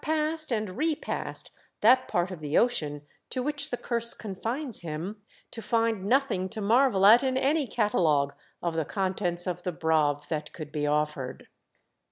197 passed and repassed that part of the ocean to which the Curse confines him, to find nothing to marvel at in any catalogue of the contents of the Braavc that could be offered.